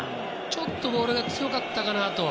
ちょっとボールが強かったかなと。